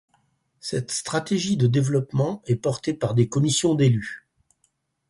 Cette stratégie de développement est portée par des commissions d’élus.